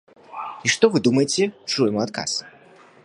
І што вы думаеце чуем у адказ?